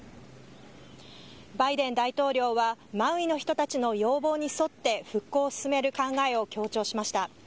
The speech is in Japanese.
バイデン大統領はマウイの人たちの要望に沿って復興を進める考えを強調しました。